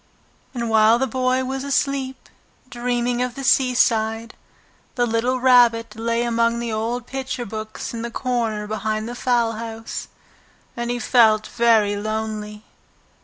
And while the Boy was asleep, dreaming of the seaside, the little Rabbit lay among the old picture books in the corner behind the fowl house, and he felt very lonely.